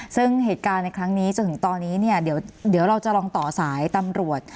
ซึ่งเหตุการณ์ในครั้งนี้จนถึงตอนนี้เนี่ยเดี๋ยวเราจะลองต่อสายตำรวจ